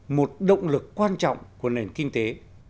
một động lực quan trọng của nền kinh tế